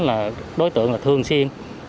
là đối tượng là thường xuyên